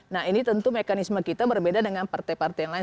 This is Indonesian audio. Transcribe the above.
nah ini tentu mekanisme kita berbeda dengan partai partai yang lain